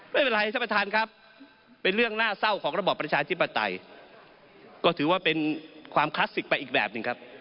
ไม่เป็นไรท่านประธานครับเป็นเรื่องน่าเศร้าของระบอบประชาธิปไตยก็ถือว่าเป็นความคลาสสิกไปอีกแบบหนึ่งครับ